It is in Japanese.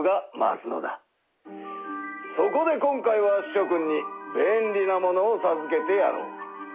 そこで今回はしょ君に便利なものをさずけてやろう。